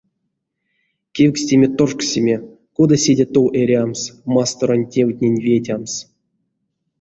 Кевкстеме-тошксеме, кода седе тов эрямс, масторонь тевтнень ветямс.